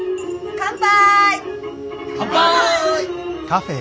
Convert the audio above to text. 乾杯！